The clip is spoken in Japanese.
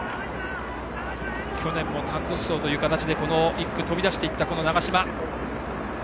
去年も単独走という形でこの１区、飛び出していった長嶋。